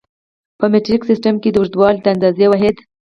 په مټریک سیسټم کې د اوږدوالي د اندازې واحد